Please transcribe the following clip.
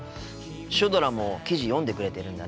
シュドラも記事読んでくれてるんだね。